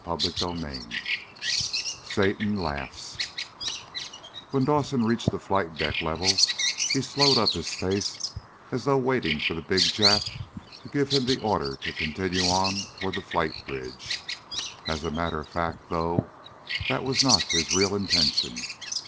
CHAPTER SEVENTEEN Satan Laughs When Dawson reached flight deck level he slowed up his pace as though waiting for the big Jap to give him the order to continue on toward the flight bridge. As a matter of fact, though, that was not his real intention.